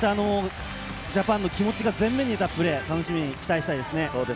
ジャパンの気持ちが前面に出たプレーを楽しみに期待したいです。